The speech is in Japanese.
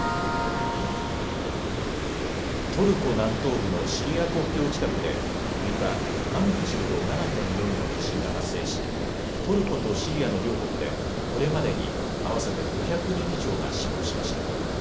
トルコ南東部のシリア国境近くで６日、マグニチュード７．４の地震が発生し、トルコとシリアの両国でこれまでに合わせて５００人以上が死亡しました。